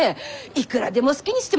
いくらでも好きにしてもらって。